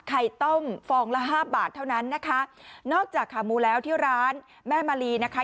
ไข่ต้มฟองละห้าบาทเท่านั้นนะคะนอกจากขาหมูแล้วที่ร้านแม่มะลีนะคะ